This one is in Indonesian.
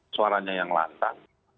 suaranya yang lantang